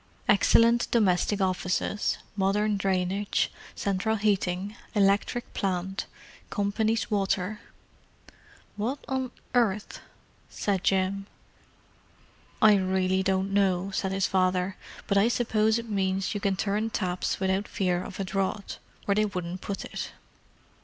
"Excellent domestic offices, modern drainage, central heating, electric plant, Company's water——" "What on earth——?" said Jim. "I really don't know," said his father. "But I suppose it means you can turn taps without fear of a drought, or they wouldn't put it.